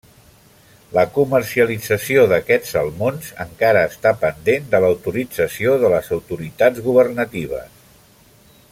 La comercialització d’aquests salmons encara està pendent de l'autorització de les autoritats governatives.